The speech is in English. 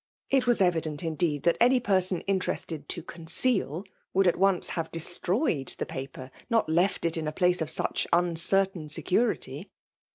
It was evident indeed that any person interested to conceed, would * at once have destroyed, the paper — not left it in a place of such uncertain security.